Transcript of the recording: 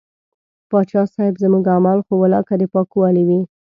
پاچا صاحب زموږ اعمال خو ولاکه د پاکوالي وي.